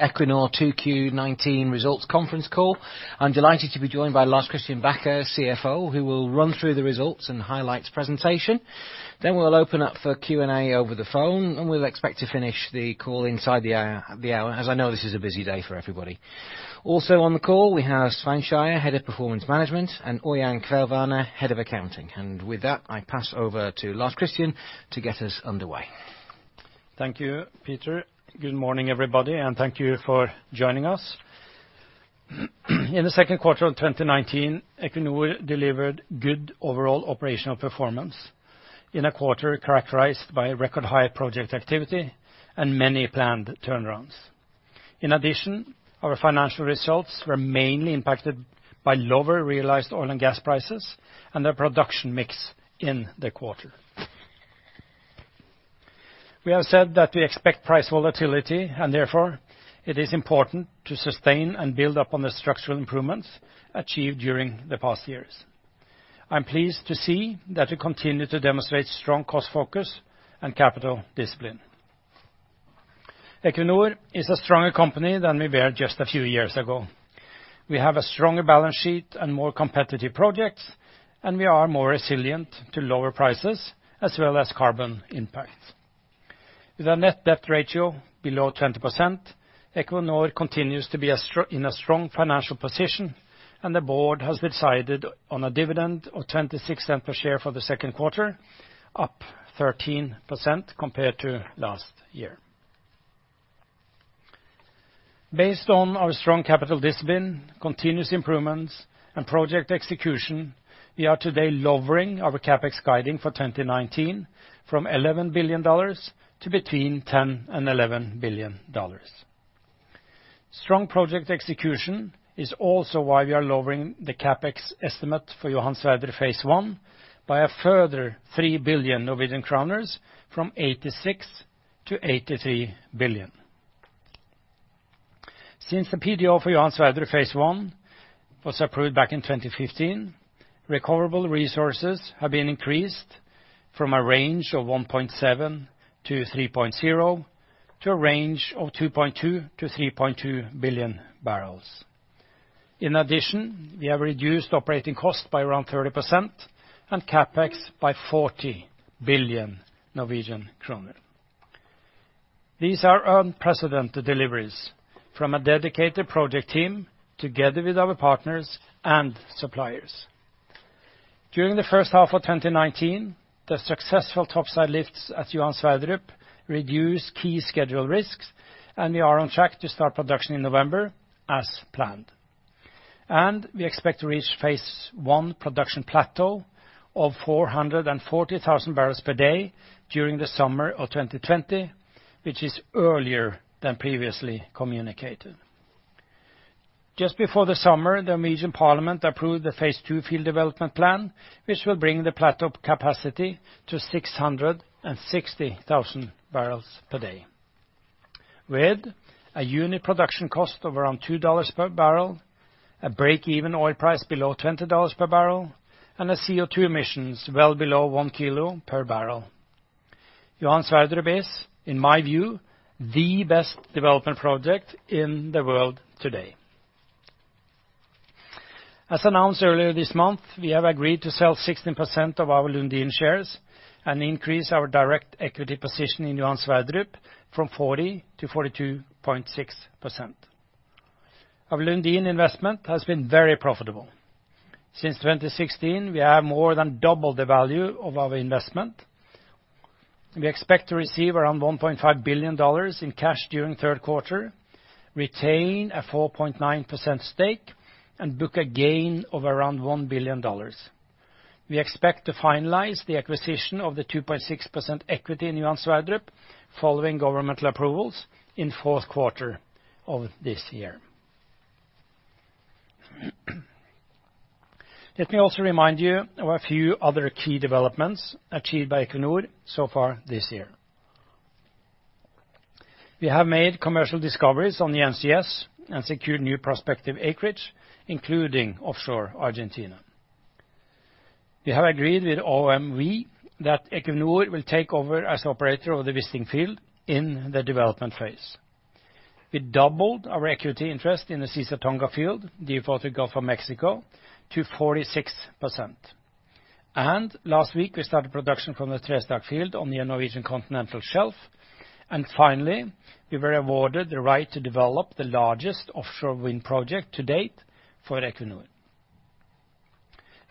Equinor 2Q19 results conference call. I'm delighted to be joined by Lars Christian Bacher, CFO, who will run through the results and highlights presentation. We'll open up for Q&A over the phone, and we'll expect to finish the call inside the hour, as I know this is a busy day for everybody. Also on the call, we have Svein Skeie, Head of Performance Management, and Ørjan Kvelvane, Head Accounting. With that, I pass over to Lars Christian to get us underway. Thank you, Peter. Good morning, everybody, and thank you for joining us. In the second quarter of 2019, Equinor delivered good overall operational performance in a quarter characterized by record-high project activity and many planned turnarounds. In addition, our financial results were mainly impacted by lower realized oil and gas prices and their production mix in the quarter. We have said that we expect price volatility and therefore it is important to sustain and build upon the structural improvements achieved during the past years. I'm pleased to see that we continue to demonstrate strong cost focus and capital discipline. Equinor is a stronger company than we were just a few years ago. We have a stronger balance sheet and more competitive projects, and we are more resilient to lower prices as well as carbon impact. With a net debt ratio below 20%, Equinor continues to be in a strong financial position and the board has decided on a dividend of $0.26 per share for the second quarter, up 13% compared to last year. Based on our strong capital discipline, continuous improvements, and project execution, we are today lowering our CapEx guiding for 2019 from $11 billion to between $10 billion and $11 billion. Strong project execution is also why we are lowering the CapEx estimate for Johan Sverdrup phase I by a further 3 billion Norwegian kroner from 86 billion to 83 billion. Since the PDO for Johan Sverdrup phase I was approved back in 2015, recoverable resources have been increased from a range of 1.7 billion-3.0 billion to a range of 2.2 billion-3.2 billion barrels. In addition, we have reduced operating costs by around 30% and CapEx by NOK 40 billion. These are unprecedented deliveries from a dedicated project team together with our partners and suppliers. During the first half of 2019, the successful topside lifts at Johan Sverdrup reduced key schedule risks, and we are on track to start production in November as planned. We expect to reach phase I production plateau of 440,000 barrels per day during the summer of 2020, which is earlier than previously communicated. Just before the summer, the Norwegian Parliament approved the phase II field development plan, which will bring the plateau capacity to 660,000 barrels per day with a unit production cost of around $2 per barrel, a break-even oil price below $20 per barrel, and a CO2 emissions well below 1 kg per barrel. Johan Sverdrup is, in my view, the best development project in the world today. As announced earlier this month, we have agreed to sell 16% of our Lundin shares and increase our direct equity position in Johan Sverdrup from 40% to 42.6%. Our Lundin investment has been very profitable. Since 2016, we have more than doubled the value of our investment. We expect to receive around $1.5 billion in cash during the third quarter, retain a 4.9% stake, and book a gain of around $1 billion. We expect to finalize the acquisition of the 2.6% equity in Johan Sverdrup following governmental approvals in the fourth quarter of this year. Let me also remind you of a few other key developments achieved by Equinor so far this year. We have made commercial discoveries on the NCS and secured new prospective acreage, including offshore Argentina. We have agreed with OMV that Equinor will take over as operator of the Wisting field in the development phase. We doubled our equity interest in the Caesar Tonga field, deepwater Gulf of Mexico, to 46%. Last week we started production from the Trestakk field on the Norwegian Continental Shelf. Finally, we were awarded the right to develop the largest offshore wind project to date for Equinor.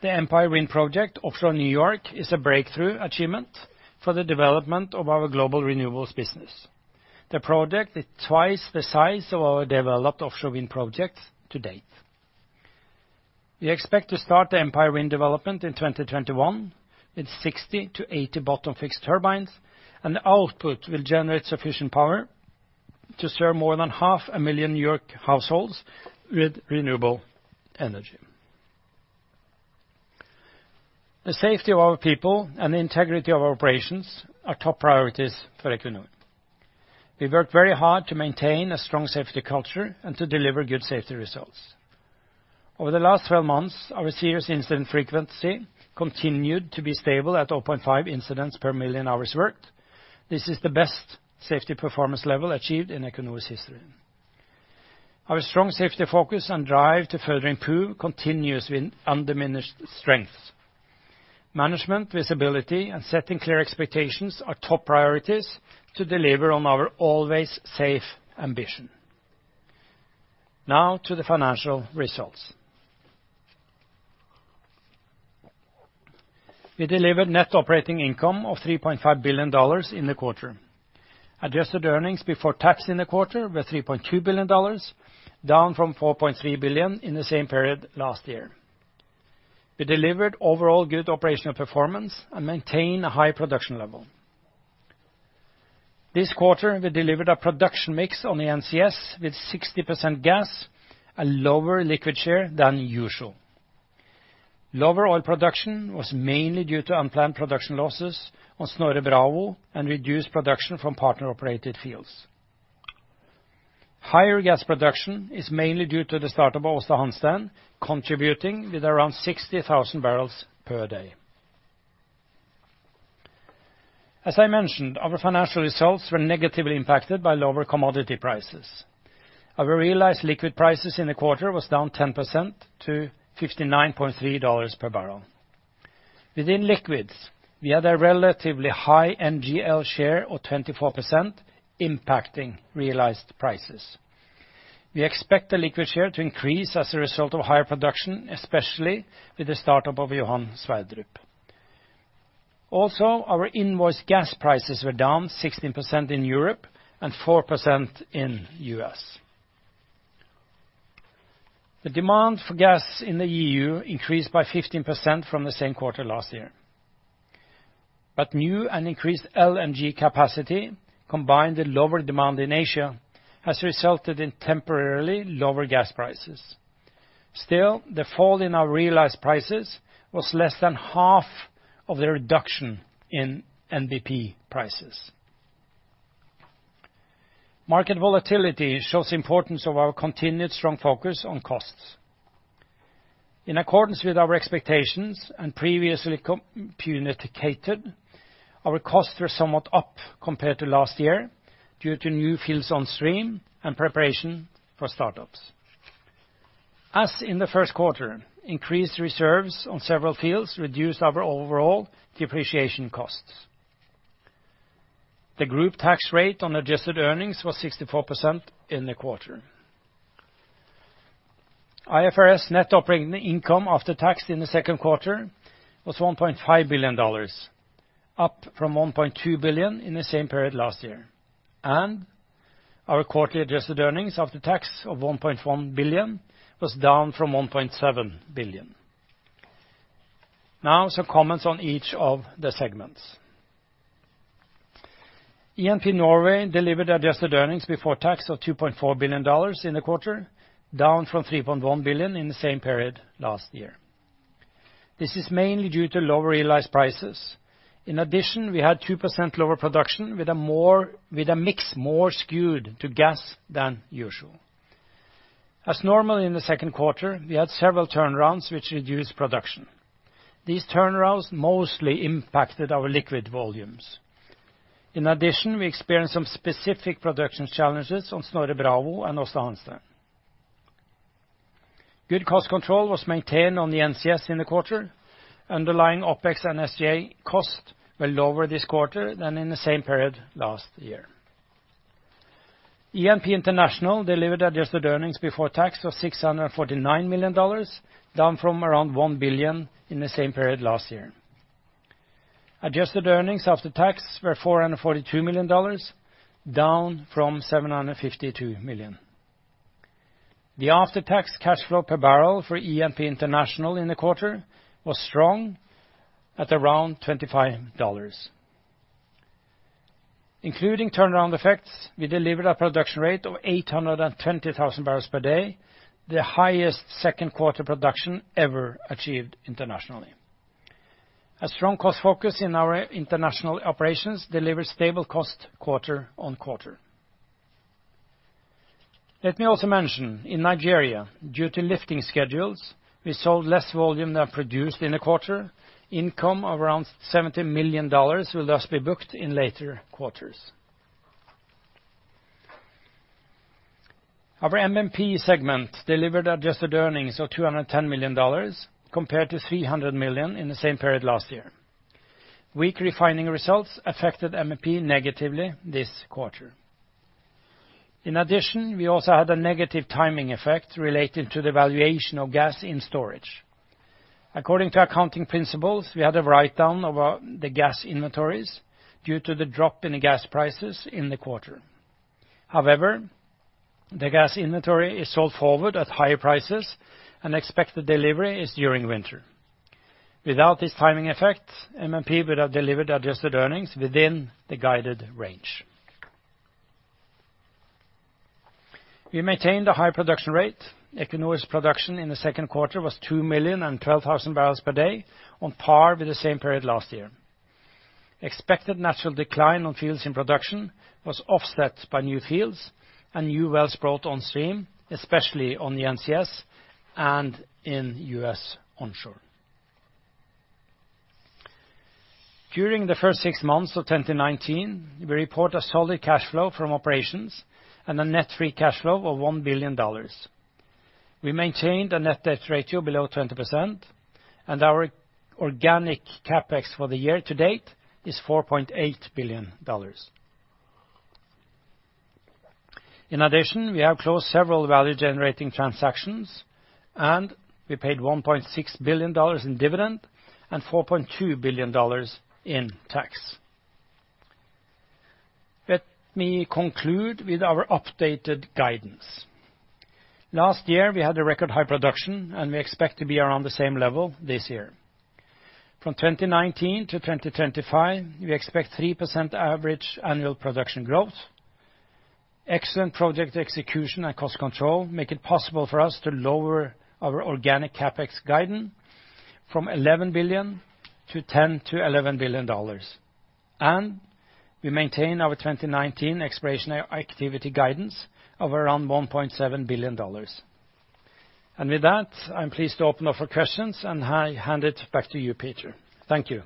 The Empire Wind project offshore New York is a breakthrough achievement for the development of our global renewables business. The project is twice the size of our developed offshore wind projects to date. We expect to start the Empire Wind development in 2021 with 60-80 bottom-fixed turbines, and the output will generate sufficient power to serve more than half a million New York households with renewable energy. The safety of our people and the integrity of our operations are top priorities for Equinor. We work very hard to maintain a strong safety culture and to deliver good safety results. Over the last 12 months, our Serious Incident Frequency continued to be stable at 0.5 incidents per million hours worked. This is the best safety performance level achieved in Equinor's history. Our strong safety focus and drive to further improve continues with undiminished strength. Management visibility and setting clear expectations are top priorities to deliver on our always safe ambition. Now to the financial results. We delivered net operating income of $3.5 billion in the quarter. Adjusted earnings before tax in the quarter were $3.2 billion, down from $4.3 billion in the same period last year. We delivered overall good operational performance and maintained a high production level. This quarter, we delivered a production mix on the NCS with 60% gas, a lower liquid share than usual. Lower oil production was mainly due to unplanned production losses on Snorre Bravo and reduced production from partner-operated fields. Higher gas production is mainly due to the start of Aasta Hansteen, contributing with around 60,000 barrels per day. As I mentioned, our financial results were negatively impacted by lower commodity prices. Our realized liquid prices in the quarter was down 10% to $59.3 per barrel. Within liquids, we had a relatively high NGL share of 24%, impacting realized prices. We expect the liquid share to increase as a result of higher production, especially with the start-up of Johan Sverdrup. Our invoice gas prices were down 16% in Europe and 4% in U.S.. The demand for gas in the EU increased by 15% from the same quarter last year. New and increased LNG capacity, combined with lower demand in Asia, has resulted in temporarily lower gas prices. Still, the fall in our realized prices was less than half of the reduction in NBP prices. Market volatility shows the importance of our continued strong focus on costs. In accordance with our expectations and previously communicated, our costs were somewhat up compared to last year due to new fields on stream and preparation for start-ups. As in the first quarter, increased reserves on several fields reduced our overall depreciation costs. The group tax rate on adjusted earnings was 64% in the quarter. IFRS net operating income after tax in the second quarter was $1.5 billion, up from $1.2 billion in the same period last year. Our quarterly adjusted earnings after tax of $1.1 billion was down from $1.7 billion. Now, some comments on each of the segments. E&P Norway delivered adjusted earnings before tax of $2.4 billion in the quarter, down from $3.1 billion in the same period last year. This is mainly due to lower realized prices. In addition, we had 2% lower production with a mix more skewed to gas than usual. As normal in the second quarter, we had several turnarounds which reduced production. These turnarounds mostly impacted our liquid volumes. In addition, we experienced some specific production challenges on Snorre Bravo and Aasta Hansteen. Good cost control was maintained on the NCS in the quarter. Underlying OpEx and SG&A cost were lower this quarter than in the same period last year. E&P International delivered adjusted earnings before tax of $649 million, down from around $1 billion in the same period last year. Adjusted earnings after tax were $442 million, down from $752 million. The after-tax cash flow per barrel for E&P International in the quarter was strong at around $25. Including turnaround effects, we delivered a production rate of 820,000 barrels per day, the highest second quarter production ever achieved internationally. A strong cost focus in our international operations delivered stable cost quarter-on-quarter. Let me also mention, in Nigeria, due to lifting schedules, we sold less volume than produced in the quarter. Income of around $70 million will thus be booked in later quarters. Our MMP segment delivered adjusted earnings of $210 million, compared to $300 million in the same period last year. Weak refining results affected MMP negatively this quarter. In addition, we also had a negative timing effect related to the valuation of gas in storage. According to accounting principles, we had a write-down of the gas inventories due to the drop in the gas prices in the quarter. The gas inventory is sold forward at higher prices, and expected delivery is during winter. Without this timing effect, MMP would have delivered adjusted earnings within the guided range. We maintained a high production rate. Equinor's production in the second quarter was 2,012,000 barrels per day, on par with the same period last year. Expected natural decline on fields in production was offset by new fields and new wells brought on stream, especially on the NCS and in U.S. onshore. During the first six months of 2019, we report a solid cash flow from operations and a net free cash flow of $1 billion. We maintained a net debt ratio below 20%, and our organic CapEx for the year to date is $4.8 billion. In addition, we have closed several value-generating transactions, and we paid $1.6 billion in dividend and $4.2 billion in tax. Let me conclude with our updated guidance. Last year, we had a record high production. We expect to be around the same level this year. From 2019 to 2025, we expect 3% average annual production growth. Excellent project execution and cost control make it possible for us to lower our organic CapEx guidance from $11 billion to $10 billion-$11 billion. We maintain our 2019 exploration activity guidance of around $1.7 billion. With that, I'm pleased to open up for questions. I hand it back to you, Peter. Thank you.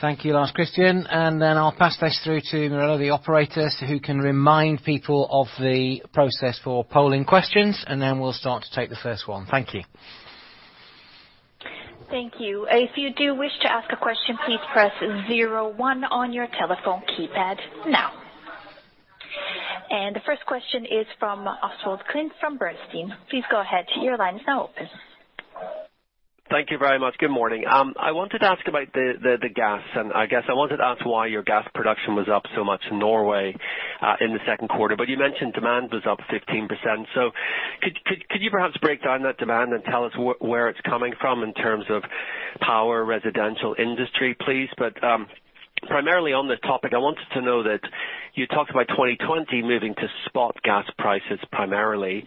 Thank you, Lars Christian. I'll pass this through to one of the operators who can remind people of the process for polling questions, and then we'll start to take the first one. Thank you. Thank you. If you do wish to ask a question, please press zero one on your telephone keypad now. The first question is from Oswald Clint from Bernstein. Please go ahead. Your line is now open. Thank you very much. Good morning. I wanted to ask about the gas. I guess I wanted to ask why your gas production was up so much in Norway in the second quarter. You mentioned demand was up 15%. Could you perhaps break down that demand and tell us where it's coming from in terms of power, residential industry, please? Primarily on the topic, I wanted to know that you talked about 2020 moving to spot gas prices primarily.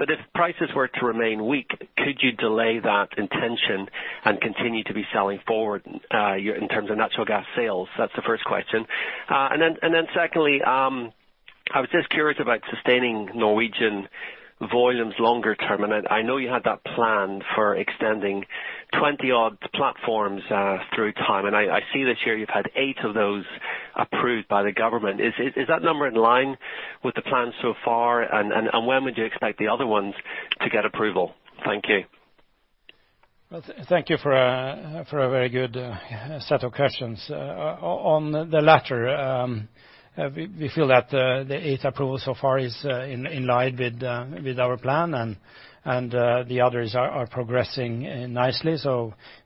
If prices were to remain weak, could you delay that intention and continue to be selling forward in terms of natural gas sales? That's the first question. Secondly, I was just curious about sustaining Norwegian volumes longer term. I know you had that plan for extending 20-odd platforms through time, and I see this year you've had eight of those approved by the government. Is that number in line with the plan so far? When would you expect the other ones to get approval? Thank you. Thank you for a very good set of questions. On the latter, we feel that the eight approvals so far is in line with our plan and the others are progressing nicely.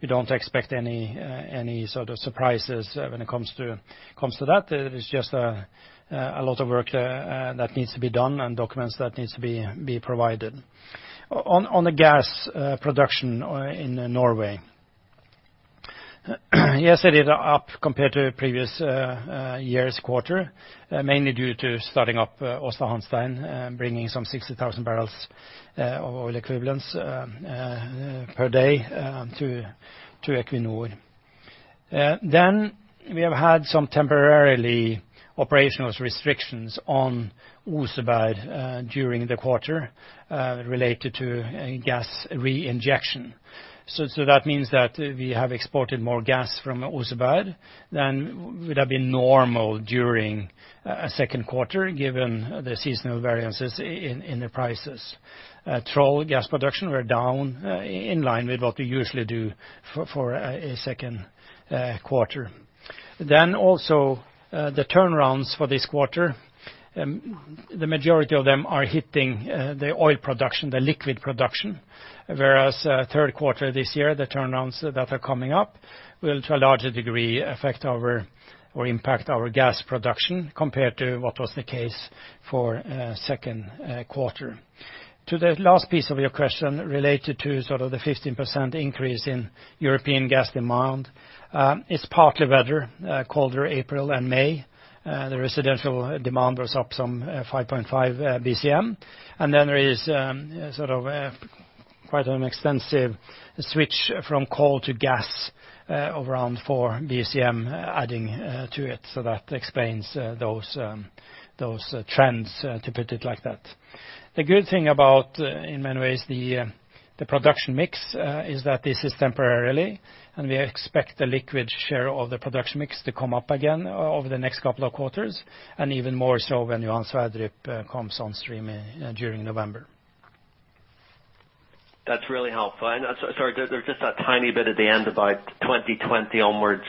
We don't expect any sort of surprises when it comes to that. It is just a lot of work that needs to be done and documents that needs to be provided. On the gas production in Norway. Yes, it is up compared to previous year's quarter, mainly due to starting up Aasta Hansteen, bringing some 60,000 barrels of oil equivalents per day to Equinor. We have had some temporarily operational restrictions on Oseberg during the quarter related to gas re-injection. That means that we have exported more gas from Oseberg than would have been normal during second quarter, given the seasonal variances in the prices. Troll gas production were down, in line with what we usually do for a second quarter. The turnarounds for this quarter, the majority of them are hitting the oil production, the liquid production. Third quarter this year, the turnarounds that are coming up will, to a larger degree, affect our or impact our gas production compared to what was the case for second quarter. To the last piece of your question related to sort of the 15% increase in European gas demand. It's partly weather, colder April and May. The residential demand was up some 5.5 BCM, there is sort of quite an extensive switch from coal to gas of around 4 BCM adding to it. That explains those trends, to put it like that. The good thing about, in many ways, the production mix is that this is temporary, and we expect the liquid share of the production mix to come up again over the next couple of quarters, and even more so when Johan Sverdrup comes on stream during November. That's really helpful. Sorry, there's just that tiny bit at the end about 2020 onwards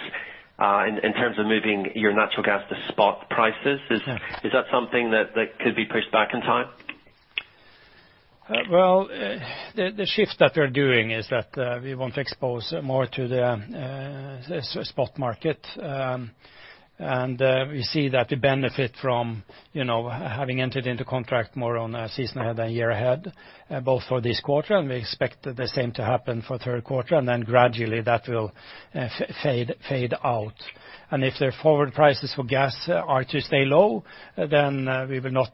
in terms of moving your natural gas to spot prices. Yeah. Is that something that could be pushed back in time? Well, the shifts that we're doing is that we want to expose more to the spot market. We see that the benefit from having entered into contract more on a season ahead and year ahead, both for this quarter, and we expect the same to happen for third quarter, and then gradually that will fade out. If the forward prices for gas are to stay low, then they'll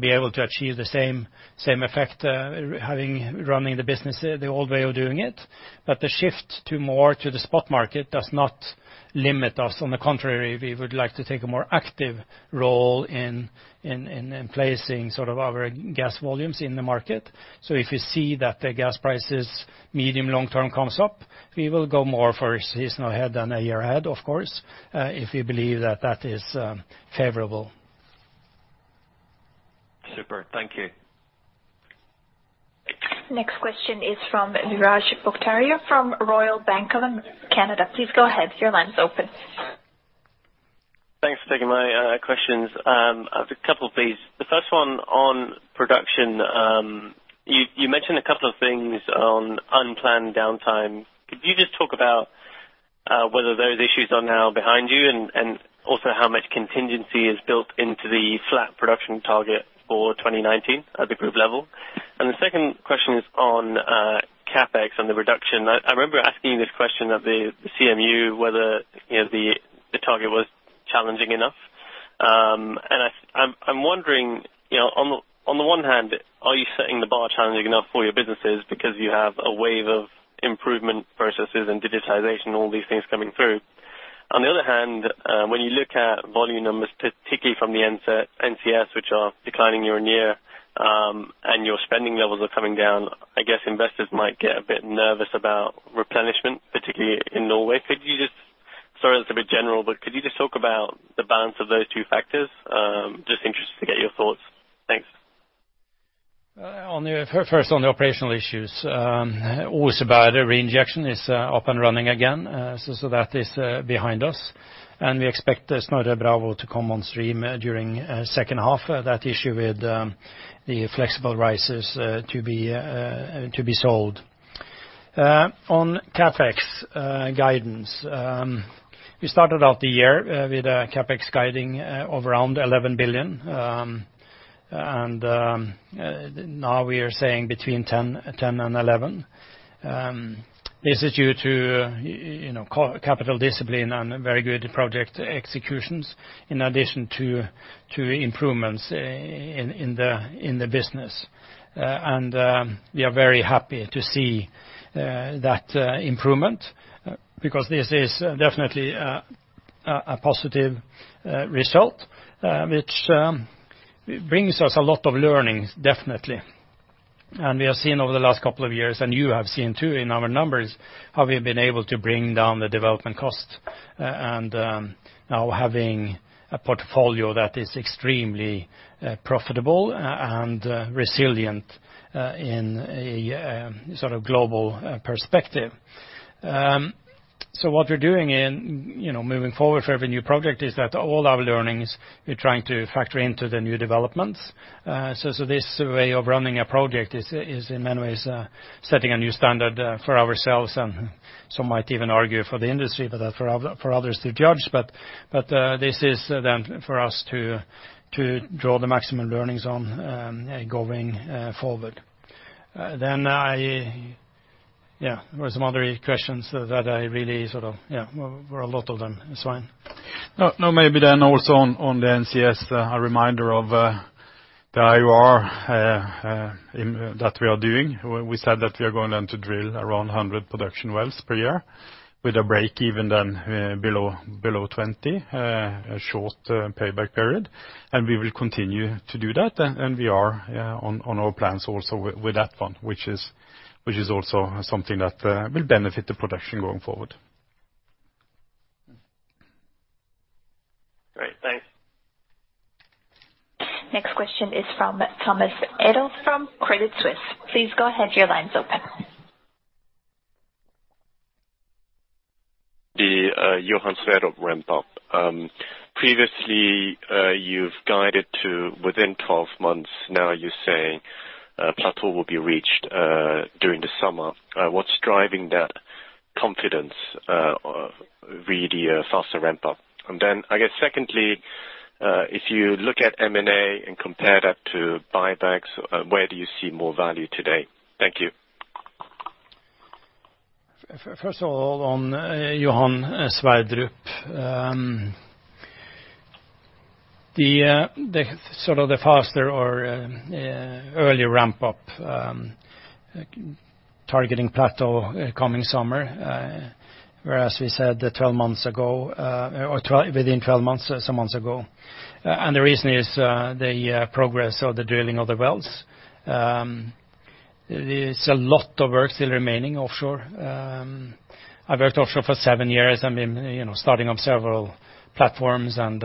be able to achieve the same effect running the business the old way of doing it. The shift more to the spot market does not limit us. On the contrary, we would like to take a more active role in placing our gas volumes in the market. If we see that the gas prices medium long-term comes up, we will go more for seasonal ahead than a year ahead, of course, if we believe that that is favorable. Super, thank you. Next question is from Biraj Borkhataria from Royal Bank of Canada. Please go ahead. Your line's open. Thanks for taking my questions. I have a couple, please. The first one on production. You mentioned a couple of things on unplanned downtime. Could you just talk about whether those issues are now behind you, and also how much contingency is built into the flat production target for 2019 at the group level? The second question is on CapEx and the reduction. I remember asking this question at the CMU, whether the target was challenging enough. I'm wondering, on the one hand, are you setting the bar challenging enough for your businesses because you have a wave of improvement processes and digitization, all these things coming through? On the other hand, when you look at volume numbers, particularly from the NCS, which are declining year-on-year, and your spending levels are coming down, I guess investors might get a bit nervous about replenishment, particularly in Norway. Sorry, that's a bit general. Could you just talk about the balance of those two factors? Just interested to get your thoughts. Thanks. First on the operational issues. Oseberg reinjection is up and running again, that is behind us. We expect Snorre Bravo to come on stream during second half. That issue with the flexible risers to be solved. On CapEx guidance. We started out the year with a CapEx guiding of around $11 billion. Now we are saying between $10 billion and $11 billion. This is due to capital discipline and very good project executions in addition to improvements in the business. We are very happy to see that improvement because this is definitely a positive result, which brings us a lot of learnings, definitely. We have seen over the last couple of years, and you have seen, too, in our numbers, how we've been able to bring down the development cost and now having a portfolio that is extremely profitable and resilient in a global perspective. What we're doing in moving forward for every new project is that all our learnings, we're trying to factor into the new developments. This way of running a project is in many ways setting a new standard for ourselves and some might even argue for the industry, but that's for others to judge. This is then for us to draw the maximum learnings on going forward. There were some other questions that I really sort of. Well, a lot of them. Svein? No. Maybe also on the NCS, a reminder of the IOR that we are doing. We said that we are going then to drill around 100 production wells per year with a break even then below 20. A short payback period. We will continue to do that. We are on our plans also with that one, which is also something that will benefit the production going forward. Great. Thanks. Next question is from Thomas Adolff from Credit Suisse. Please go ahead, your line's open. The Johan Sverdrup ramp up. Previously, you've guided to within 12 months. Now you're saying plateau will be reached during the summer. What's driving that confidence of really a faster ramp up? I guess secondly, if you look at M&A and compare that to buybacks, where do you see more value today? Thank you. First of all, on Johan Sverdrup. The faster or earlier ramp up, targeting plateau coming summer, whereas we said within 12 months some months ago. The reason is the progress of the drilling of the wells. There's a lot of work still remaining offshore. I've worked offshore for seven years. I've been starting up several platforms, and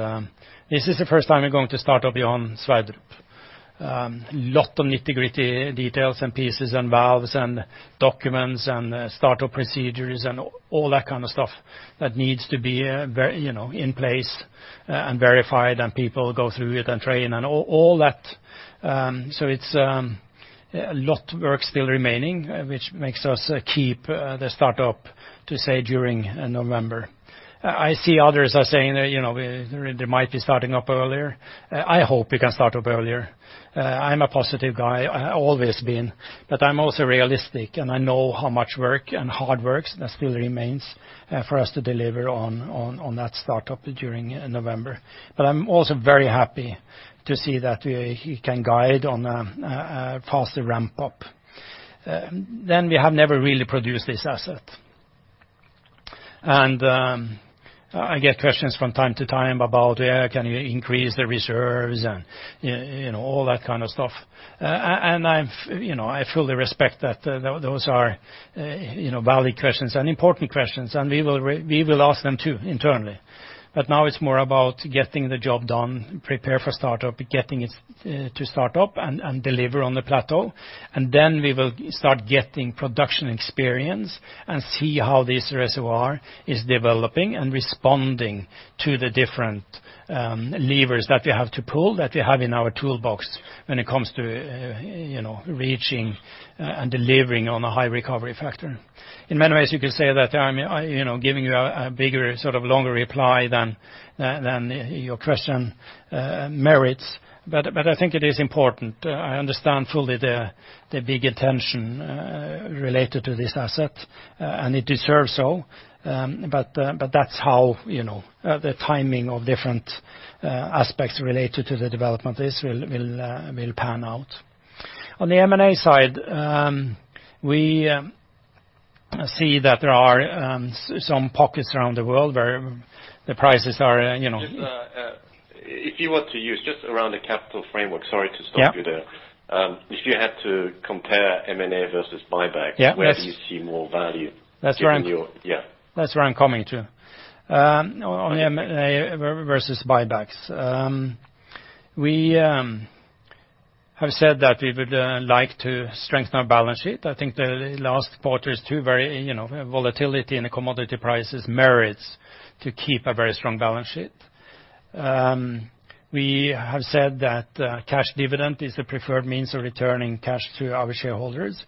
this is the first time I'm going to start up Johan Sverdrup. Lot of nitty-gritty details and pieces and valves and documents and startup procedures and all that kind of stuff that needs to be in place and verified and people go through it and train and all that. It's a lot work still remaining, which makes us keep the startup to say during November. I see others are saying that they might be starting up earlier. I hope we can start up earlier. I'm a positive guy. I always been, I'm also realistic and I know how much work and hard work that still remains for us to deliver on that startup during November. I'm also very happy to see that we can guide on a faster ramp up. We have never really produced this asset. I get questions from time to time about can you increase the reserves and all that kind of stuff. I fully respect that those are valid questions and important questions, and we will ask them too internally. Now it's more about getting the job done, prepare for startup, getting it to start up, and deliver on the plateau. We will start getting production experience and see how this reservoir is developing and responding to the different levers that we have to pull, that we have in our toolbox when it comes to reaching and delivering on a high recovery factor. In many ways, you could say that I'm giving you a bigger, longer reply than your question merits. I think it is important. I understand fully the big attention related to this asset, and it deserves so, but that's how the timing of different aspects related to the development will pan out. On the M&A side, we see that there are some pockets around the world. If you were to use, just around the capital framework, sorry to stop you there. Yeah. If you had to compare M&A versus buyback. Yeah. Where do you see more value? That's where I'm- Given your, yeah. That's where I'm coming to. On M&A versus buybacks. We have said that we would like to strengthen our balance sheet. I think the last quarter is too very, we have volatility in the commodity prices merits to keep a very strong balance sheet. We have said that cash dividend is the preferred means of returning cash to our shareholders.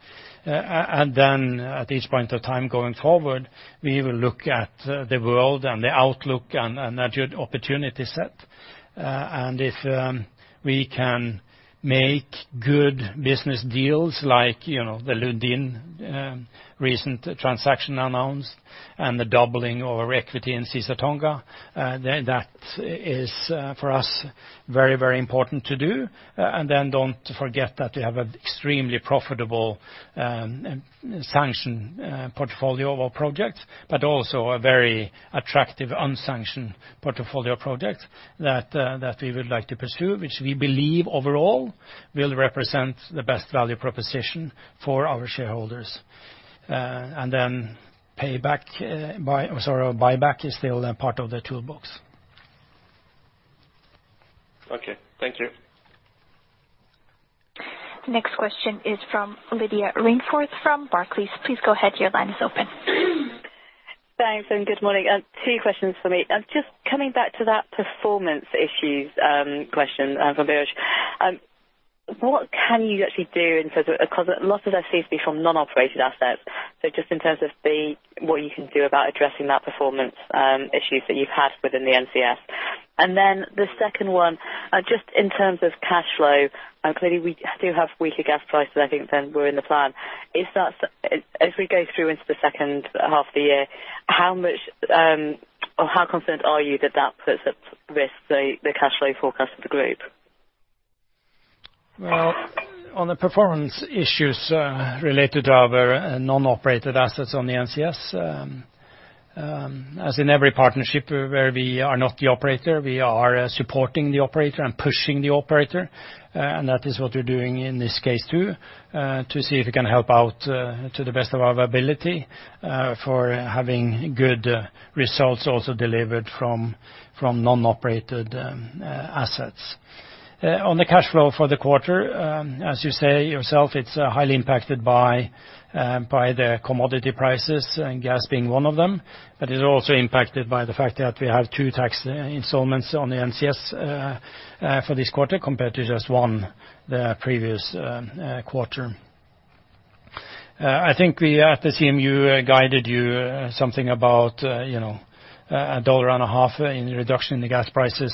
Then at each point of time going forward, we will look at the world and the outlook and that good opportunity set. If we can make good business deals like the Lundin recent transaction announced and the doubling of our equity in Caesar Tonga, that is for us very, very important to do. Don't forget that we have an extremely profitable sanctioned portfolio of our projects, but also a very attractive unsanctioned portfolio project that we would like to pursue, which we believe overall will represent the best value proposition for our shareholders. Buyback is still a part of the toolbox. Okay. Thank you. Next question is from Lydia Rainforth from Barclays. Please go ahead, your line is open. Thanks and good morning. Two questions for me. Coming back to that performance issues question from Biraj. What can you actually do in terms of, because a lot of that seems to be from non-operated assets. What you can do about addressing that performance issues that you've had within the NCS. The second one, just in terms of cash flow, clearly we do have weaker gas prices, I think than were in the plan. As we go through into the second half of the year, how concerned are you that that puts at risk the cash flow forecast of the group? Well, on the performance issues related to our non-operated assets on the NCS, as in every partnership where we are not the operator, we are supporting the operator and pushing the operator. That is what we're doing in this case, too, to see if we can help out to the best of our ability for having good results also delivered from non-operated assets. On the cash flow for the quarter, as you say yourself, it's highly impacted by the commodity prices and gas being one of them. It's also impacted by the fact that we have two tax installments on the NCS for this quarter compared to just one the previous quarter. I think we, at the CMU, guided you something about $1.50 in reduction in the gas prices.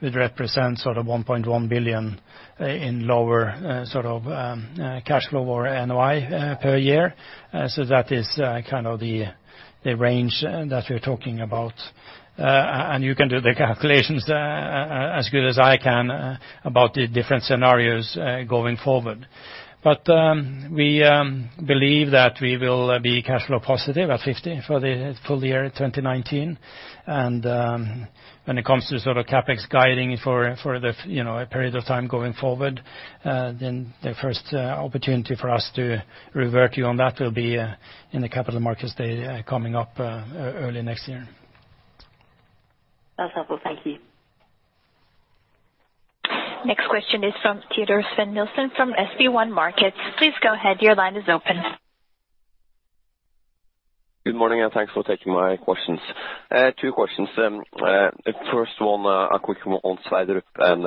It represents sort of $1.1 billion in lower cash flow or NOI per year. That is kind of the range that we're talking about. You can do the calculations as good as I can about the different scenarios going forward. We believe that we will be cash flow positive at $50 for the full year 2019. When it comes to sort of CapEx guiding for the period of time going forward, the first opportunity for us to revert you on that will be in the Capital Markets Day coming up early next year. That's helpful. Thank you. Next question is from Teodor Sveen-Nilsen from SB1 Markets. Please go ahead. Your line is open. Good morning, thanks for taking my questions. Two questions. First one, a quick one on Sverdrup and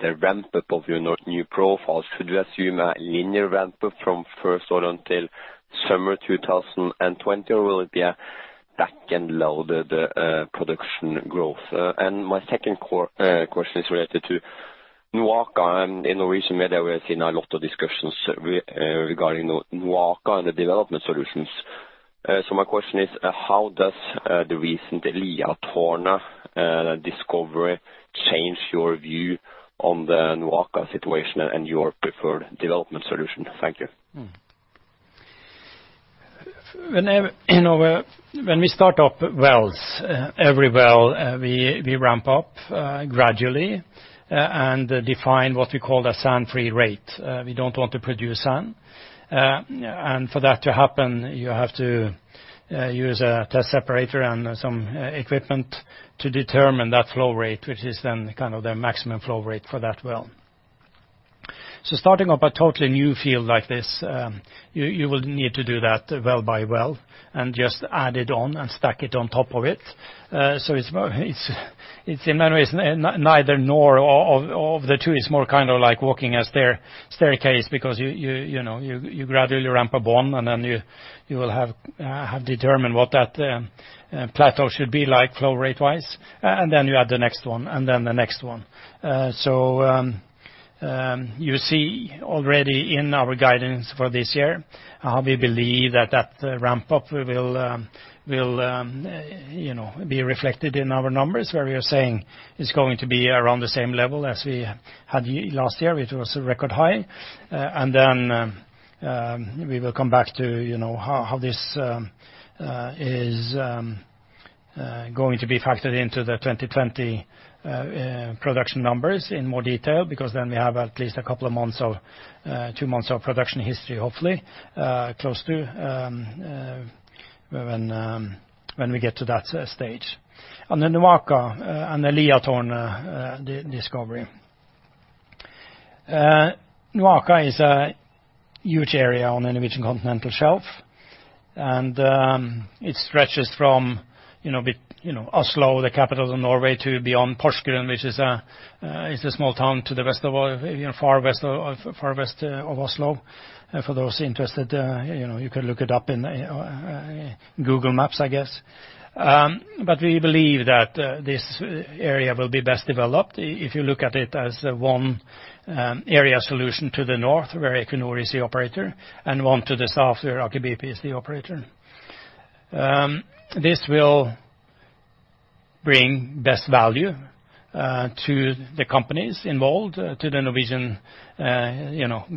the ramp up of your new profile. Should we assume a linear ramp up from first order until summer 2020, or will it be a back-end loaded production growth? My second question is related to NOAKA. In Norwegian media, we are seeing a lot of discussions regarding NOAKA and the development solutions. My question is, how does the recent Liatårnet discovery change your view on the NOAKA situation and your preferred development solution? Thank you. When we start up wells, every well we ramp up gradually and define what we call a sand-free rate. We don't want to produce sand. For that to happen, you have to use a test separator and some equipment to determine that flow rate, which is then the maximum flow rate for that well. Starting up a totally new field like this, you will need to do that well by well, and just add it on and stack it on top of it. It's in many ways, neither nor of the two. It's more like walking a staircase because you gradually ramp up one and then you will have determined what that plateau should be like flow rate-wise. Then you add the next one, then the next one. You see already in our guidance for this year how we believe that that ramp-up will be reflected in our numbers, where we are saying it is going to be around the same level as we had last year, which was a record high. We will come back to how this is going to be factored into the 2020 production numbers in more detail, because then we have at least two months of production history, hopefully, close to when we get to that stage. On the NOAKA and the Liatårnet discovery. NOAKA is a huge area on the Norwegian continental shelf, and it stretches from Oslo, the capital of Norway, to beyond Porsgrunn, which is a small town to the far west of Oslo. For those interested, you can look it up in Google Maps, I guess. We believe that this area will be best developed if you look at it as one area solution to the north, where Equinor is the operator, and one to the south where Aker BP is the operator. This will bring best value to the companies involved, to the Norwegian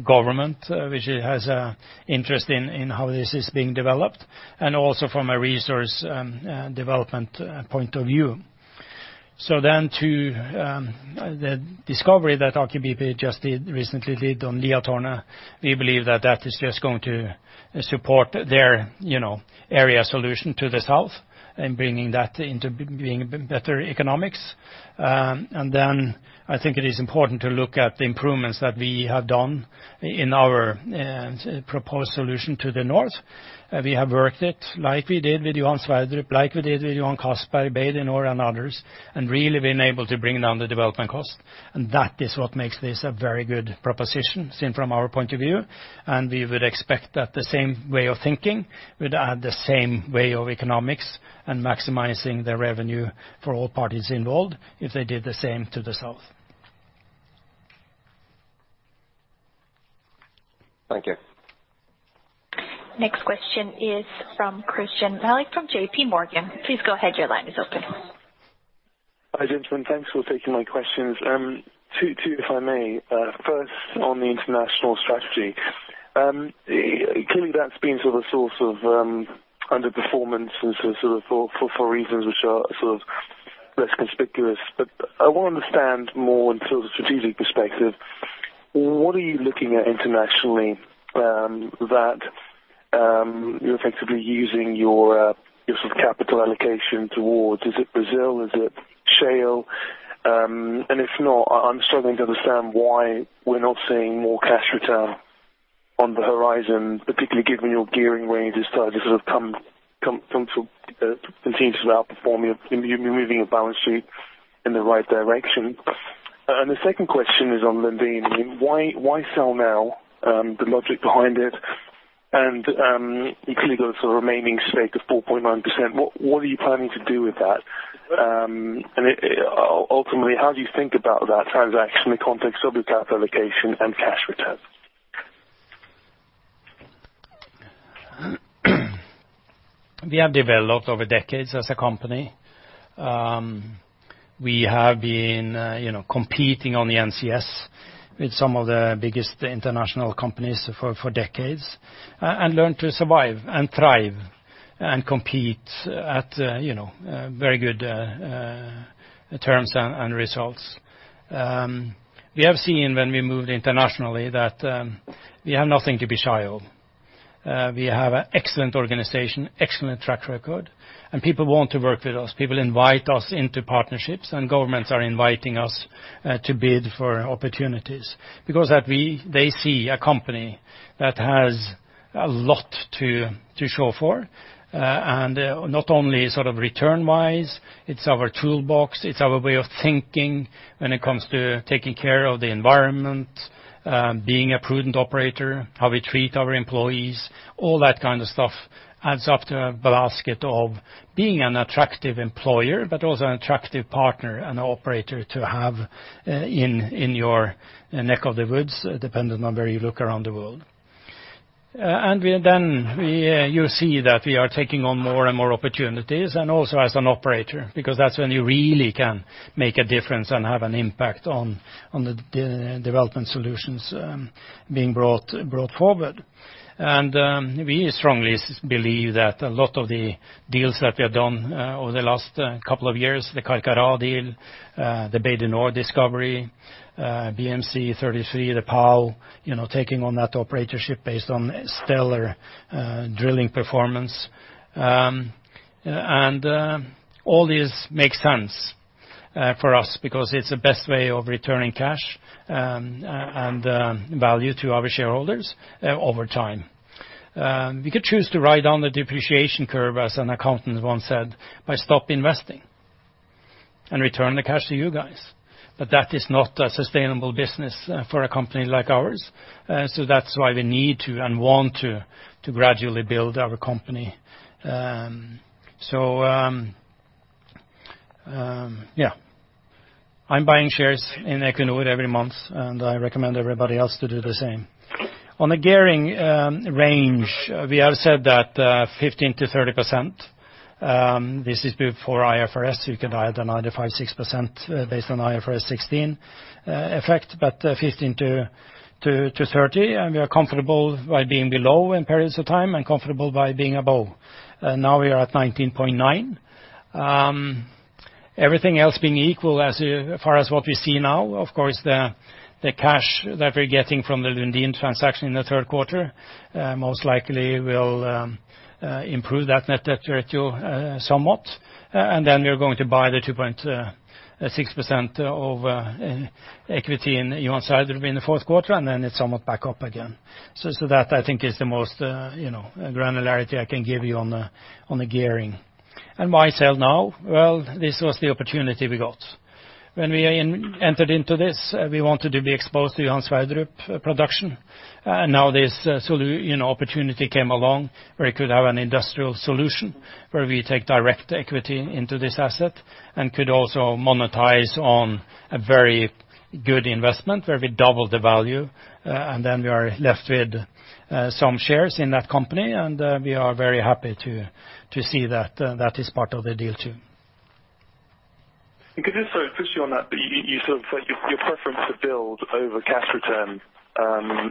government, which has a interest in how this is being developed, and also from a resource development point of view. To the discovery that Aker BP just recently did on Liatårnet, we believe that that is just going to support their area solution to the south and bringing that into being better economics. I think it is important to look at the improvements that we have done in our proposed solution to the north. We have worked it like we did with Johan Sverdrup, like we did with Johan Castberg, Bay du Nord and others, really been able to bring down the development cost. That is what makes this a very good proposition, seen from our point of view. We would expect that the same way of thinking would add the same way of economics and maximizing the revenue for all parties involved if they did the same to the south. Thank you. Next question is from Christyan Malek from JPMorgan. Please go ahead. Your line is open. Hi, gentlemen. Thanks for taking my questions. Two, if I may. First, on the international strategy. Clearly, that's been sort of a source of underperformance and sort of for reasons which are sort of less conspicuous. I want to understand more in terms of strategic perspective, what are you looking at internationally that you're effectively using your sort of capital allocation towards? Is it Brazil? Is it shale? If not, I'm struggling to understand why we're not seeing more cash return on the horizon, particularly given your gearing range has started to sort of continue to outperform you. You're moving a balance sheet in the right direction. The second question is on Lundin. Why sell now, the logic behind it. You clearly got a remaining stake of 4.9%. What are you planning to do with that? Ultimately, how do you think about that transaction in the context of your capital allocation and cash return? We have developed over decades as a company. We have been competing on the NCS with some of the biggest international companies for decades and learned to survive and thrive and compete at very good terms and results. We have seen when we moved internationally that we have nothing to be shy of. We have an excellent organization, excellent track record, and people want to work with us. People invite us into partnerships, and governments are inviting us to bid for opportunities because they see a company that has a lot to show for. Not only sort of return-wise, it's our toolbox, it's our way of thinking when it comes to taking care of the environment, being a prudent operator, how we treat our employees, all that kind of stuff adds up to a basket of being an attractive employer, but also an attractive partner and operator to have in your neck of the woods, depending on where you look around the world. You see that we are taking on more and more opportunities and also as an operator, because that's when you really can make a difference and have an impact on the development solutions being brought forward. We strongly believe that a lot of the deals that we have done over the last couple of years, the Carcará deal, the Bay du Nord discovery, BM-C-33, the Pão de Açúcar, taking on that operatorship based on stellar drilling performance. All this makes sense for us because it's the best way of returning cash and value to our shareholders over time. We could choose to ride down the depreciation curve, as an accountant once said, by stop investing and return the cash to you guys. That is not a sustainable business for a company like ours. That's why we need to and want to gradually build our company. Yeah. I'm buying shares in Equinor every month, and I recommend everybody else to do the same. On the gearing range, we have said that 15%-30%. This is before IFRS. You can add another 5%, 6% based on IFRS 16 effect, but 15%-30%. We are comfortable by being below in periods of time and comfortable by being above. Now we are at 19.9%. Everything else being equal, as far as what we see now, of course, the cash that we're getting from the Lundin transaction in the third quarter most likely will improve that net debt ratio somewhat. Then we are going to buy the 2.6% of equity in Johan Sverdrup in the fourth quarter, then it's somewhat back up again. That I think is the most granularity I can give you on the gearing. Why sell now? Well, this was the opportunity we got. When we entered into this, we wanted to be exposed to Johan Sverdrup production. This opportunity came along where we could have an industrial solution, where we take direct equity into this asset and could also monetize on a very good investment where we double the value, and then we are left with some shares in that company, and we are very happy to see that that is part of the deal too. Could I just quickly on that, you sort of said your preference to build over cash return,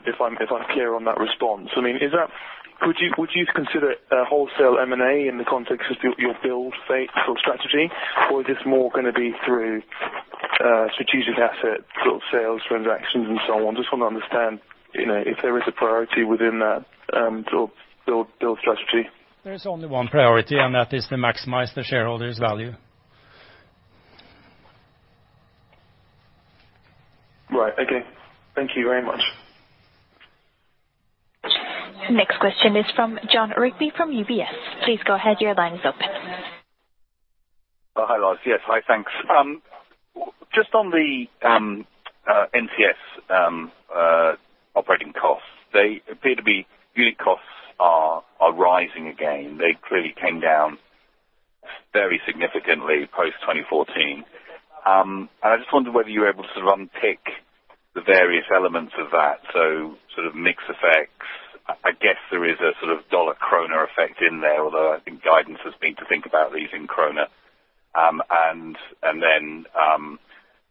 if I'm clear on that response? Would you consider a wholesale M&A in the context of your build strategy? Or is this more going to be through strategic asset sales transactions and so on? Just want to understand if there is a priority within that build strategy. There is only one priority, and that is to maximize the shareholders' value. Right. Okay. Thank you very much. Next question is from Jon Rigby from UBS. Please go ahead, your line is open. Hi, Lars. Yes, hi, thanks. Just on the NCS operating costs, they appear to be unit costs are rising again. They clearly came down very significantly post 2014. I just wonder whether you're able to unpick the various elements of that. Sort of mix effects. I guess there is a sort of dollar-kroner effect in there, although I think guidance has been to think about these in kroner.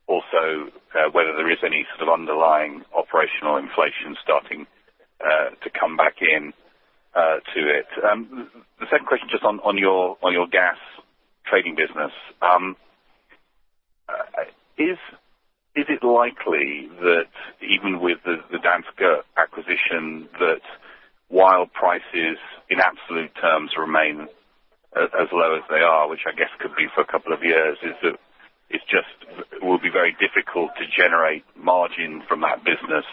Also whether there is any sort of underlying operational inflation starting to come back into it. The second question, just on your gas trading business. Is it likely that even with the Danske acquisition, that while prices in absolute terms remain as low as they are, which I guess could be for a couple of years, is that it just will be very difficult to generate margin from that business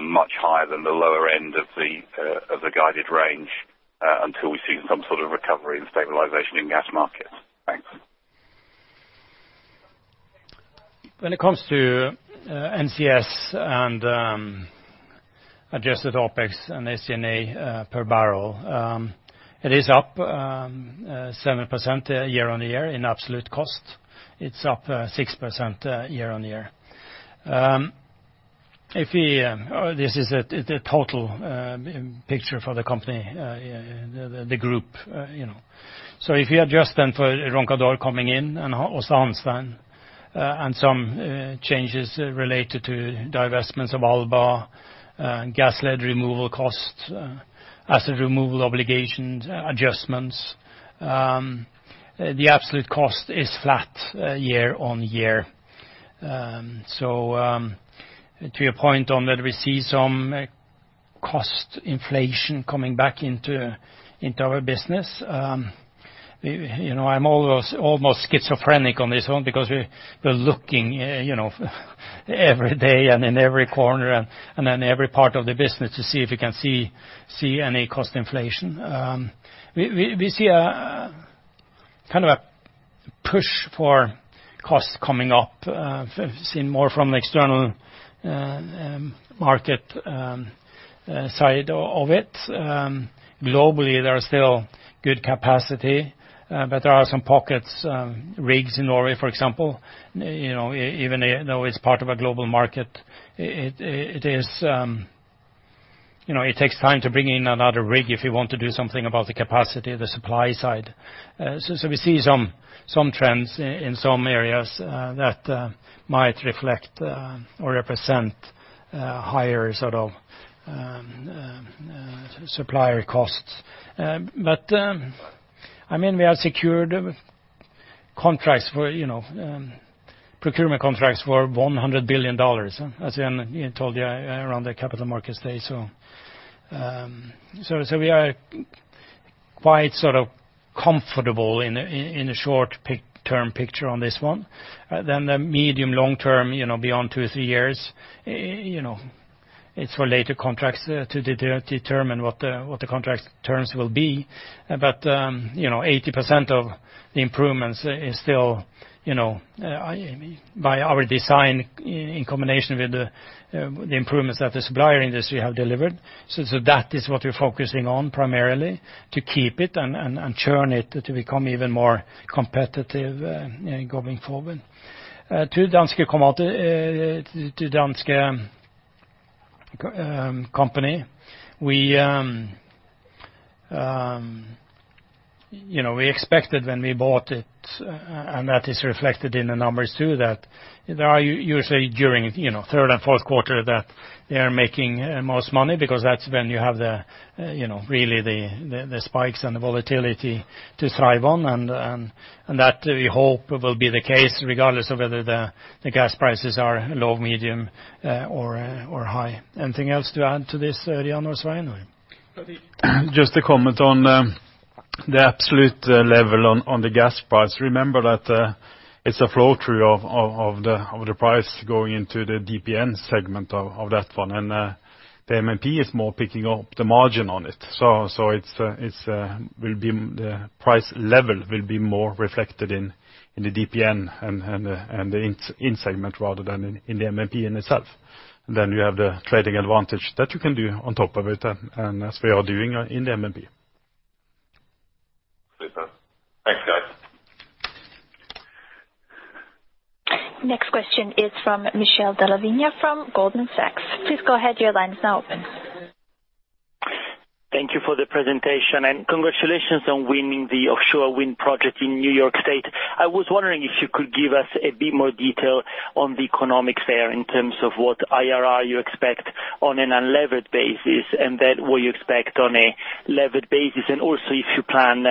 much higher than the lower end of the guided range until we see some sort of recovery and stabilization in gas markets? Thanks. When it comes to NCS and adjusted OpEx and ACNA per barrel, it is up 7% year-on-year in absolute cost. It's up 6% year-on-year. This is the total picture for the company, the group. If you adjust then for Roncador coming in and also Aasta Hansteen and some changes related to divestments of Alba, gas lead removal costs, asset removal obligations adjustments, the absolute cost is flat year-on-year. To your point on that we see some cost inflation coming back into our business. I'm almost schizophrenic on this one because we're looking every day and in every corner and in every part of the business to see if we can see any cost inflation. We see a kind of a push for costs coming up. We've seen more from the external market side of it. Globally, there are still good capacity, there are some pockets, rigs in Norway, for example, even though it's part of a global market, It takes time to bring in another rig if you want to do something about the capacity of the supply side. We see some trends in some areas that might reflect or represent higher supplier costs. We have secured procurement contracts for $100 billion, as I told you around the Capital Markets Day. We are quite comfortable in the short-term picture on this one. The medium long-term, beyond two or three years, it's for later contracts to determine what the contract terms will be. 80% of the improvements is still by our design in combination with the improvements that the supplier industry have delivered. That is what we're focusing on primarily to keep it and churn it to become even more competitive going forward. To the Danske Commodities, we expected when we bought it, and that is reflected in the numbers too, that there are usually during, third and fourth quarter that they are making most money because that's when you have really the spikes and the volatility to thrive on. That we hope will be the case regardless of whether the gas prices are low, medium, or high. Anything else to add to this, Ørjan or Svein? Just to comment on the absolute level on the gas price. Remember that it's a flow-through of the price going into the DPN segment of that one, and the MMP is more picking up the margin on it. The price level will be more reflected in the DPN and the in segment rather than in the MMP in itself. We have the trading advantage that you can do on top of it, and as we are doing in the MMP. Super. Thanks, guys. Next question is from Michele Della Vigna from Goldman Sachs. Please go ahead. Your line is now open. Thank you for the presentation and congratulations on winning the offshore wind project in New York State. I was wondering if you could give us a bit more detail on the economics there in terms of what IRR you expect on an unlevered basis, and then what you expect on a levered basis, and also if you plan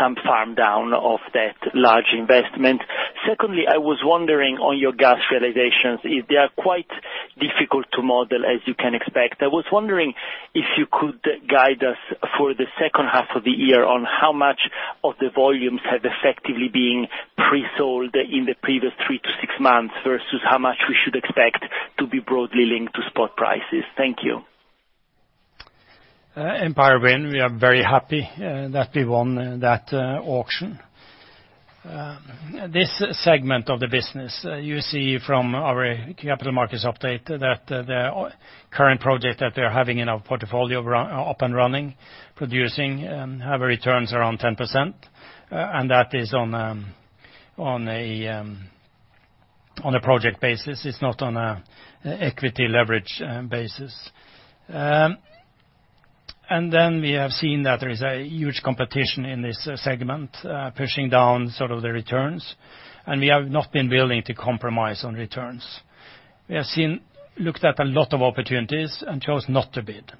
some farm down of that large investment. Secondly, I was wondering on your gas realizations, they are quite difficult to model as you can expect. I was wondering if you could guide us for the second half of the year on how much of the volumes have effectively been pre-sold in the previous three to six months versus how much we should expect to be broadly linked to spot prices. Thank you. Empire Wind, we are very happy that we won that auction. This segment of the business, you see from our Capital Markets Update that the current project that we are having in our portfolio up and running, producing, have a returns around 10%. That is on a project basis, it's not on an equity leverage basis. Then we have seen that there is a huge competition in this segment pushing down sort of the returns. We have not been willing to compromise on returns. We have looked at a lot of opportunities and chose not to bid.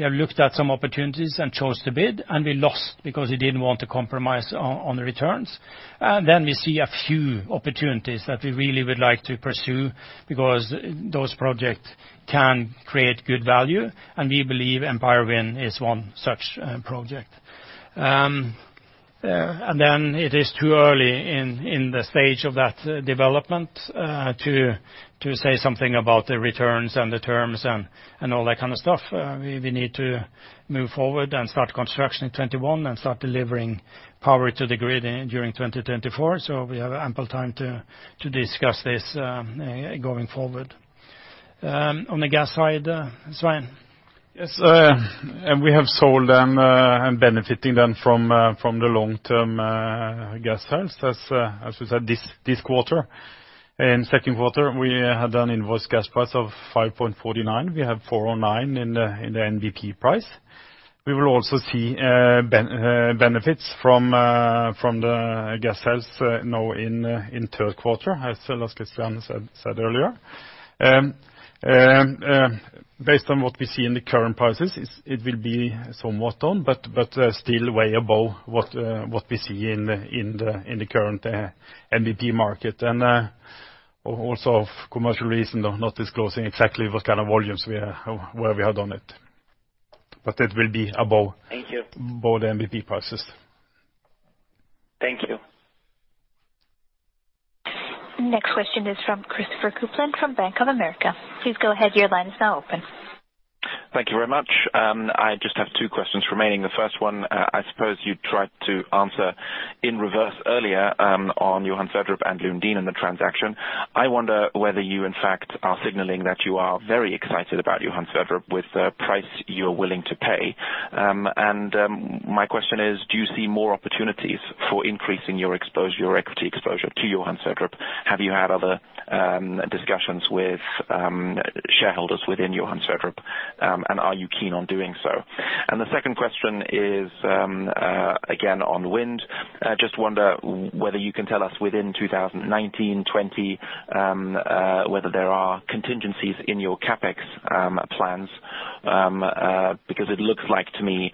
We have looked at some opportunities and chose to bid, and we lost because we didn't want to compromise on the returns. We see a few opportunities that we really would like to pursue because those projects can create good value, and we believe Empire Wind is one such project. It is too early in the stage of that development to say something about the returns and the terms and all that kind of stuff. We need to move forward and start construction in 2021 and start delivering power to the grid during 2024. We have ample time to discuss this going forward. On the gas side, Svein. Yes. We have sold and are benefiting then from the long-term gas sales. As we said, this quarter, in second quarter, we had an invoice gas price of $5.49. We have $4.9 in the NBP price. We will also see benefits from the gas sales now in third quarter, as Lars Christian said earlier. Based on what we see in the current prices, it will be somewhat on, but still way above what we see in the current NBP market. Also of commercial reason, I'm not disclosing exactly what kind of volumes where we have done it. It will be above. Thank you. Both NBP prices. Thank you. Next question is from Christopher Kuplent from Bank of America. Please go ahead. Your line is now open. Thank you very much. I just have two questions remaining. The first one, I suppose you tried to answer in reverse earlier on Johan Sverdrup and Lundin and the transaction. I wonder whether you in fact are signaling that you are very excited about Johan Sverdrup with the price you're willing to pay. My question is, do you see more opportunities for increasing your equity exposure to Johan Sverdrup? Have you had other discussions with shareholders within Johan Sverdrup? Are you keen on doing so? The second question is, again, on wind. Just wonder whether you can tell us within 2019, 2020, whether there are contingencies in your CapEx plans. It looks like, to me,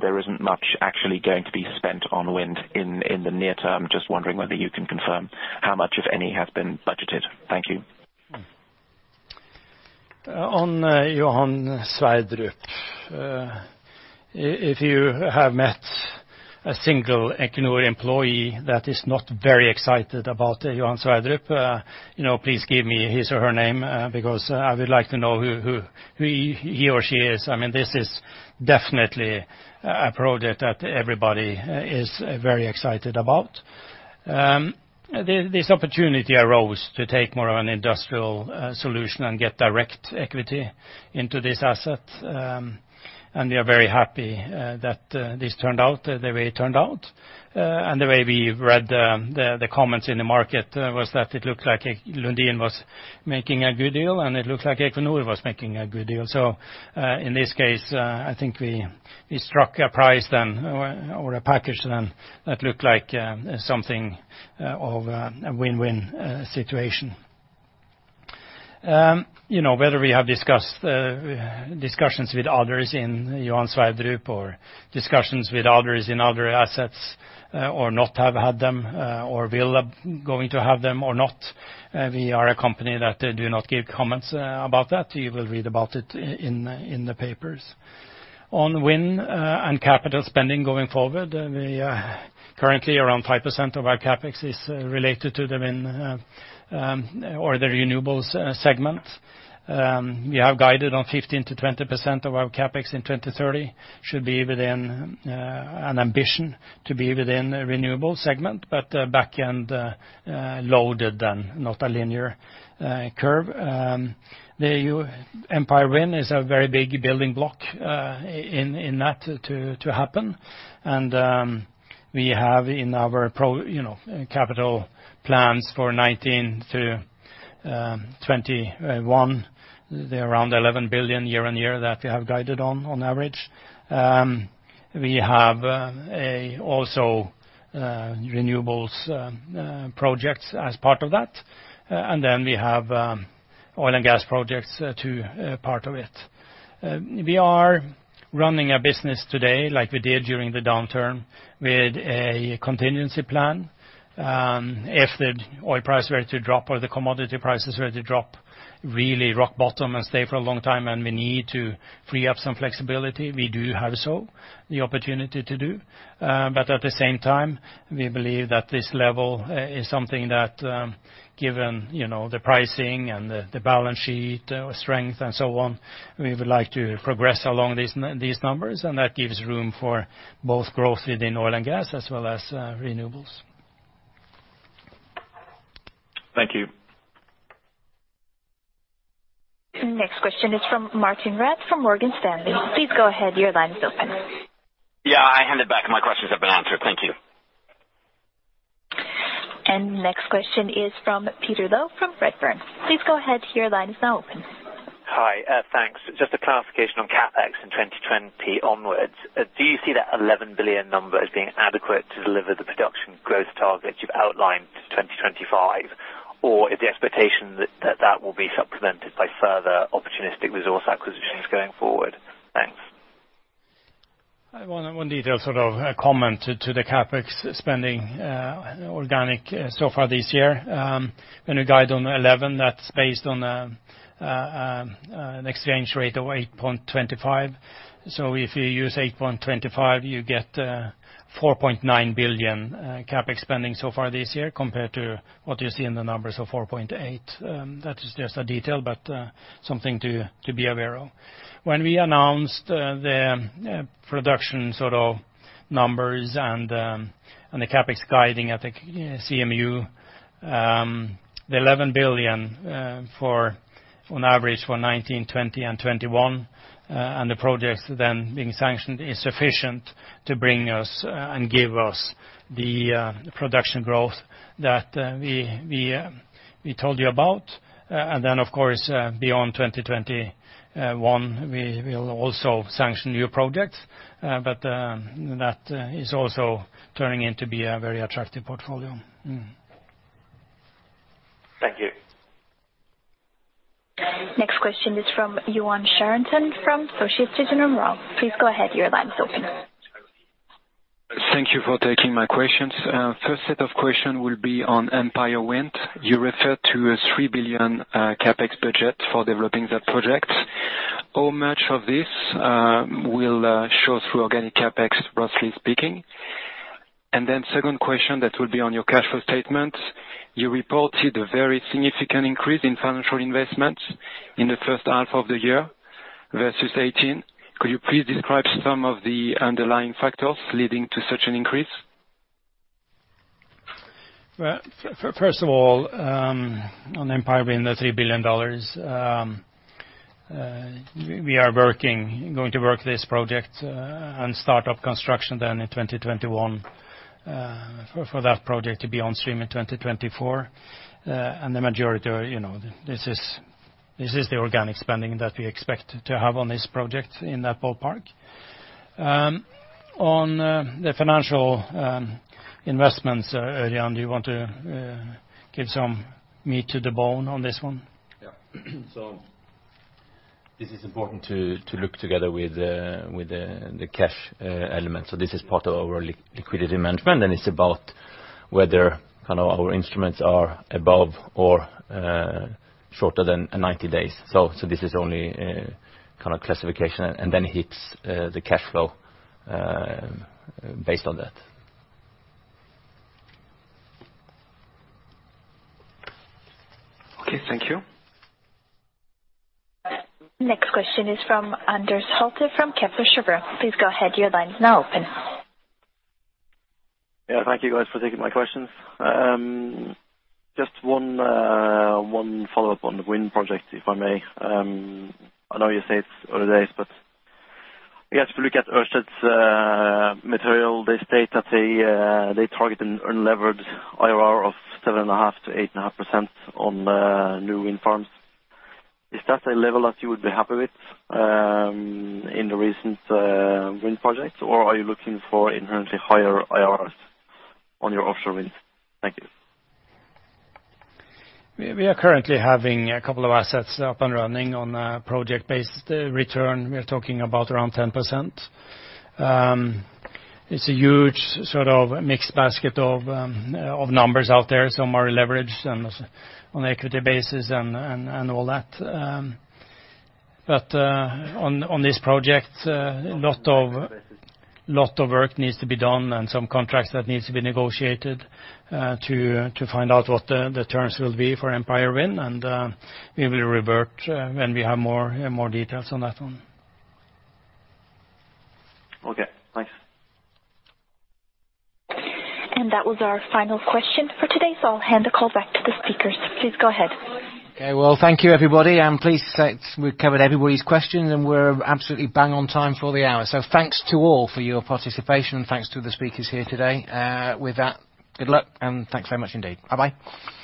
there isn't much actually going to be spent on wind in the near term. Just wondering whether you can confirm how much, if any, has been budgeted. Thank you. On Johan Sverdrup, if you have met a single Equinor employee that is not very excited about Johan Sverdrup, please give me his or her name, because I would like to know who he or she is. This is definitely a project that everybody is very excited about. This opportunity arose to take more of an industrial solution and get direct equity into this asset. We are very happy that this turned out the way it turned out. The way we read the comments in the market was that it looked like Lundin was making a good deal, and it looked like Equinor was making a good deal. In this case, I think we struck a price then, or a package then, that looked like something of a win-win situation. Whether we have discussions with others in Johan Sverdrup or discussions with others in other assets or not have had them, or we are going to have them or not, we are a company that do not give comments about that. You will read about it in the papers. On wind and capital spending going forward, currently around 5% of our CapEx is related to the wind or the renewables segment. We have guided on 15%-20% of our CapEx in 2030 should be within an ambition to be within the renewable segment, but back-end loaded and not a linear curve. The Empire Wind is a very big building block in that to happen. We have in our capital plans for 2019 to 2021, the around $11 billion year-on-year that we have guided on average. We have also renewables projects as part of that. We have oil and gas projects to part of it. We are running a business today, like we did during the downturn, with a contingency plan. If the oil price were to drop or the commodity price is ready to drop really rock bottom and stay for a long time and we need to free up some flexibility, we do have so the opportunity to do. At the same time, we believe that this level is something that, given the pricing and the balance sheet strength and so on, we would like to progress along these numbers, and that gives room for both growth within oil and gas as well as renewables. Thank you. Next question is from Martijn Rats from Morgan Stanley. Please go ahead, your line is open. Yeah, I hand it back. My questions have been answered. Thank you. Next question is from Peter Low from Redburn. Please go ahead, your line is now open. Hi. Thanks. Just a clarification on CapEx in 2020 onwards. Do you see that $11 billion number as being adequate to deliver the production growth targets you've outlined to 2025? Or is the expectation that that will be supplemented by further opportunistic resource acquisitions going forward? Thanks. One detail sort of comment to the CapEx spending organic so far this year. When we guide on $11 billion, that's based on an exchange rate of 8.25. If you use 8.25, you get $4.9 billion CapEx spending so far this year compared to what you see in the numbers of $4.8 billion. That is just a detail, something to be aware of. When we announced the production sort of numbers and the CapEx guiding at the CMU, the $11 billion on average for 2019, 2020 and 2021, the projects then being sanctioned is sufficient to bring us and give us the production growth that we told you about. Of course, beyond 2021, we will also sanction new projects. That is also turning in to be a very attractive portfolio. Thank you. Next question is from Yoann Charenton from Société Générale. Please go ahead, your line's open. Thank you for taking my questions. First set of question will be on Empire Wind. You referred to a $3 billion CapEx budget for developing that project. How much of this will show through organic CapEx, roughly speaking? Second question that will be on your cash flow statement. You reported a very significant increase in financial investment in the first half of the year versus 2018. Could you please describe some of the underlying factors leading to such an increase? First of all, on Empire Wind, the $3 billion, we are going to work this project and start up construction then in 2021 for that project to be on stream in 2024. The majority, this is the organic spending that we expect to have on this project in that ballpark. On the financial investments, Ørjan, do you want to give some meat to the bone on this one? This is important to look together with the cash element. This is part of our liquidity management, and it's about whether our instruments are above or shorter than 90 days. This is only a kind of classification and then hits the cash flow based on that. Okay, thank you. Next question is from Anders Holte from Kepler Cheuvreux. Please go ahead, your line's now open. Yeah, thank you guys for taking my questions. Just one follow-up on the wind project, if I may. I know you say it's early days, if you look at Ørsted's material, they state that they target an unlevered IRR of 7.5%-8.5% on new wind farms. Is that a level that you would be happy with in the recent wind projects, or are you looking for inherently higher IRRs on your offshore wind? Thank you. We are currently having a couple of assets up and running on a project-based return. We are talking about around 10%. It's a huge sort of mixed basket of numbers out there. Some are leveraged and on equity basis and all that. On this project, a lot of work needs to be done and some contracts that needs to be negotiated to find out what the terms will be for Empire Wind, and we will revert when we have more details on that one. Okay, thanks. That was our final question for today, so I'll hand the call back to the speakers. Please go ahead. Okay. Well, thank you, everybody. I'm pleased that we've covered everybody's questions, and we're absolutely bang on time for the hour. Thanks to all for your participation and thanks to the speakers here today. With that, good luck, and thanks very much indeed. Bye-bye. Bye-bye.